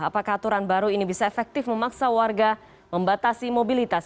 apakah aturan baru ini bisa efektif memaksa warga membatasi mobilitas